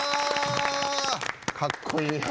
かっこいいな。